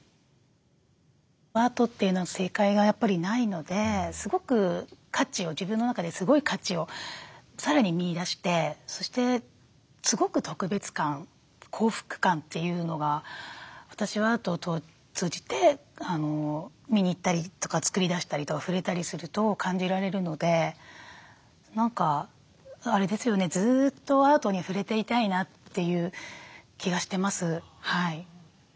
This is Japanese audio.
アートというのは正解がやっぱりないのですごく価値を自分の中ですごい価値をさらに見いだしてそしてすごく特別感幸福感というのが私はアートを通じて見に行ったりとか作り出したりとか触れたりすると感じられるので何かあれですよねずっとアートに触れていたいなっていう気がしてます。